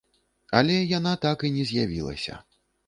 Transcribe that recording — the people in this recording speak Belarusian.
Але яна так і не з'явілася.